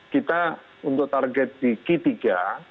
kita untuk target di q tiga